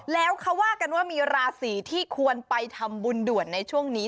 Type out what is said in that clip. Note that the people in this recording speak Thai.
แล้วเขาว่ากันว่ามีราศีที่ควรไปทำบุญด่วนในช่วงนี้